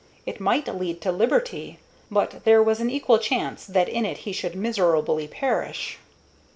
It might lead to liberty, but there was an equal chance that in it he should miserably perish.